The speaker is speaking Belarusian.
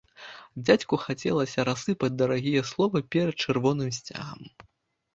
Дзядзьку хацелася рассыпаць дарагія словы перад чырвоным сцягам.